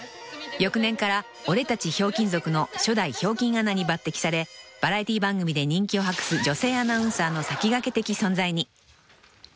［翌年から『オレたちひょうきん族』の初代ひょうきんアナに抜てきされバラエティー番組で人気を博す女性アナウンサーの先駆け的存在に］